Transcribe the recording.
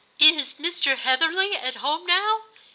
*Is Mr. Heatherly at home now."